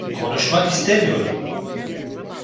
Konuşmak istemiyorum.